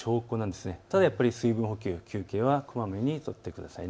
ですが水分補給、休憩はこまめに取ってください。